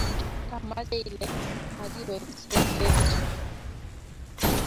amache ile makiweksei kericho